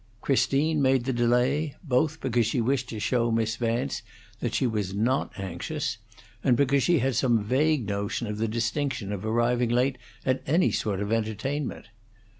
Christine made the delay, both because she wished to show Miss Vance that she was (not) anxious, and because she had some vague notion of the distinction of arriving late at any sort of entertainment.